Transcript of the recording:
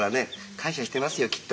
感謝してますよきっと。